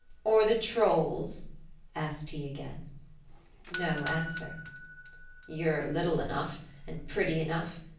'' Or the Trolls ?" asked he again. No answer. ^ You're little enough ; and pretty enough.